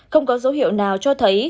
không có dấu hiệu nào cho thấy